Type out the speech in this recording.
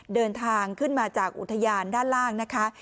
เดินทางขึ้นมาจากอุทยานด้านล่างนะคะ